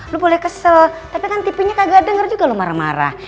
lu boleh kesel tapi kan tipinya kagak denger juga lu marah marah